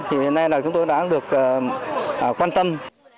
thì nên là chúng tôi đã được quan tâm